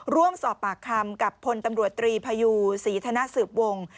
ร่วมสอบปากคำกับพลตำรวจตรีพยูศรีธนสืบวง